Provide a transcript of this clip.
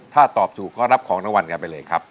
ถ้าตอบถูกก็รับของรางวัลกันไปเลยครับ